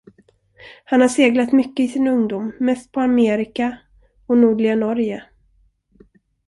Han har seglat mycket i sin ungdom, mest på Amerika och nordliga Norge.